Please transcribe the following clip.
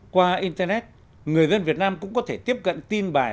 qua internet người dân việt nam cũng có thể tiếp cận tin bài